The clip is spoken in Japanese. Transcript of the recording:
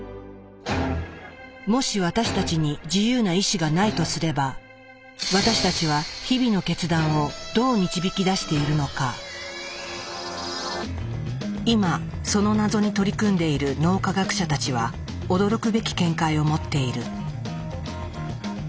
もし私たちに自由な意志がないとすれば私たちは日々の今その謎に取り組んでいる脳科学者たちは驚くべき見解を持っている。